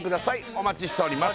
お待ちしております